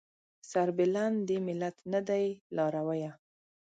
سربلند دې ملت نه دی لارويه